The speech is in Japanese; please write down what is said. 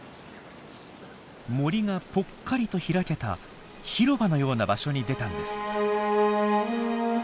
森がぽっかりと開けた広場のような場所に出たんです。